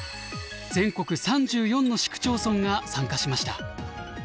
全国３４の市区町村が参加しました。